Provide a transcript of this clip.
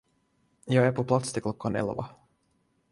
Jag är på plats till klockan elva.